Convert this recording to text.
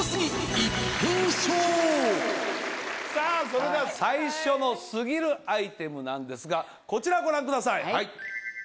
さぁそれでは最初のすぎるアイテムなんですがこちらご覧ください。